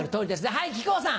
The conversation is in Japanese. はい木久扇さん。